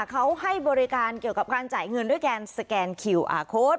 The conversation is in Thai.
เขาให้บริการเกี่ยวกับการจ่ายเงินด้วยการสแกนคิวอาร์โค้ด